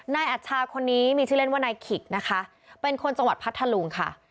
อัชชาคนนี้มีชื่อเล่นว่านายขิกนะคะเป็นคนจังหวัดพัทธลุงค่ะ